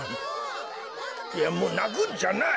いやもうなくんじゃない。